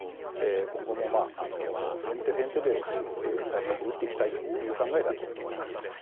今後も先手先手で対策を打っていきたいという考えだと思います。